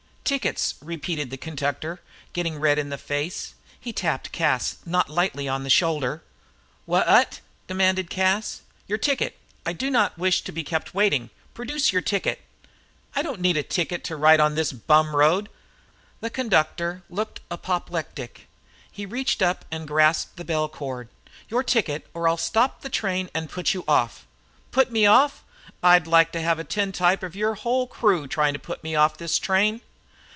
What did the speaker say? "Tickets," repeated the conductor, getting red in the face. He tapped Cas not lightly on the shoulder. "Wha at?" demanded Cas. "Your ticket! I don't wish to be kept waiting. Produce your ticket." "I don't need a ticket to ride on this bum road." The conductor looked apoplectic. He reached up to grasp the bell cord. "Your ticket, or I'll stop the train and put you off." "Put me off! I'd like to have a tintype of your whole crew trying to put me off this train."